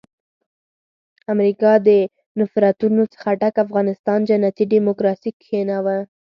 امریکا د نفرتونو څخه ډک افغانستان جنتي ډیموکراسي کښېناوه.